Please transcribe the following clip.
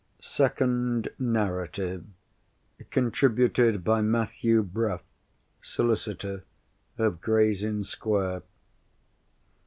SECOND NARRATIVE. _Contributed by Mathew Bruff, Solicitor, of Gray's Inn Square.